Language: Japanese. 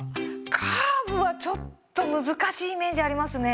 カーブはちょっと難しいイメージありますね。